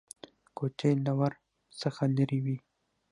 کوټې له ور څخه لرې وې.